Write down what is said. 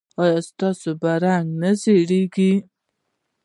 ایا ستاسو رنګ به نه زیړیږي؟